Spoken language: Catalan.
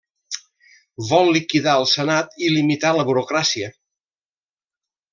Vol liquidar el Senat i limitar la burocràcia.